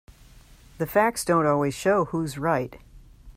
The facts don't always show who is right.